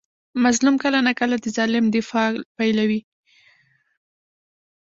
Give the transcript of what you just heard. مظلوم کله ناکله د ظالم دفاع پیلوي.